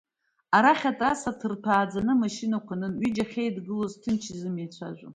Арахь атрасса ҭырҭәааӡаны амашьынақәа анын, ҩыџьа ахьааидгылоз ҭынч изымеицәажәо.